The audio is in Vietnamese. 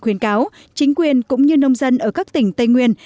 khuyến cáo chính quyền cũng như nông dân ở các tỉnh tây nguyên